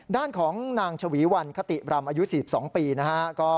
ด้านของนางชวีวันคติรำอายุ๔๒ปีนะฮะ